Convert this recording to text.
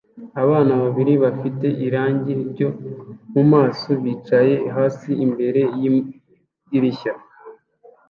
Abana babiri bafite irangi ryo mumaso bicaye hasi imbere yidirishya